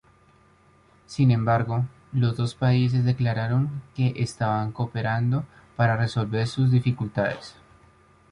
Sin embargo, los dos países declararon que estaban cooperando para resolver sus dificultades.